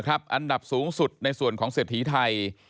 อันดับสูงสุดในส่วนของเศรษฐีไทย